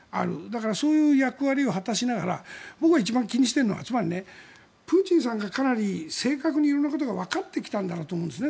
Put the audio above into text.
だから、そういう役割を果たしながら僕は一番気にしているのはつまりプーチンさんがかなり正確に色んなことがわかってきたんだなと思うんです